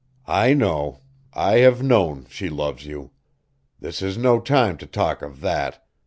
I know I have known she loves you. This is no time to talk of that.